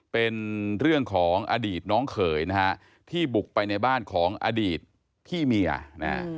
เป็นเรื่องของอดีตน้องเขยนะฮะที่บุกไปในบ้านของอดีตพี่เมียนะฮะ